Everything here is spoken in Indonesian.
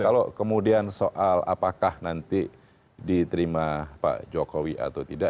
kalau kemudian soal apakah nanti diterima pak jokowi atau tidak